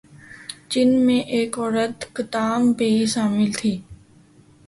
"جن میں ایک عورت "قطام" بھی شامل تھی"